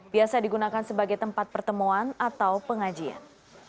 biasa digunakan sebagai tempat pertemuan atau pengajian